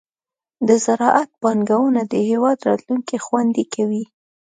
د زراعت پانګونه د هېواد راتلونکې خوندي کوي.